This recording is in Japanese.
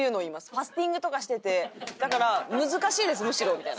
「ファスティングとかしててだから難しいですむしろ」みたいな。